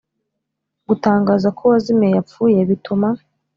Gutangaza ko uwazimiye yapfuye bituma